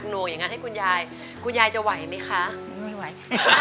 เป็นช่วงเวลาที่เครียดทีเดียว